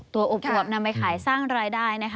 ตัวอบนำไปขายสร้างรายได้